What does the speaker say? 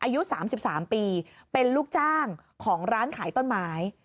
อายุ๓๓ปีเป็นลูกจ้างของร้านขายต้นไม้